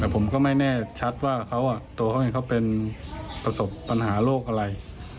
ผมก็ไม่แน่ชัดว่าโตคือเป็นประสบปัญหาโรคอะไร